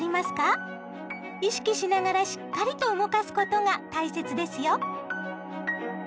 意識しながらしっかりと動かすことが大切ですよ！